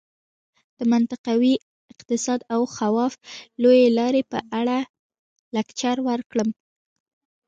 د منطقوي اقتصاد او خواف لویې لارې په اړه لکچر ورکړم.